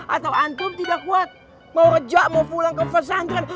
atau ampun tidak kuat mau rejak mau pulang ke pesantren